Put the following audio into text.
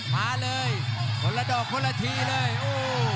มาเลยคนละดอกคนละทีเลยโอ้โห